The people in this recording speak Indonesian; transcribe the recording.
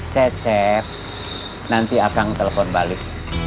cet cet nanti akang telepon balik